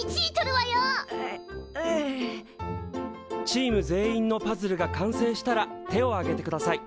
チーム全員のパズルが完成したら手を挙げてください。